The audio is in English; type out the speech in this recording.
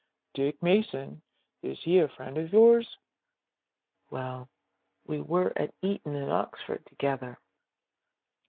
"Dick Mason? Is he a friend of yours?" "Well, we were at Eton and Oxford together."